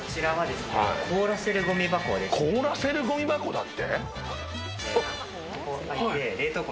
凍らせるごみ箱だって。